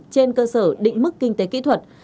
trên cơ sở định mức kinh tế kỹ thuật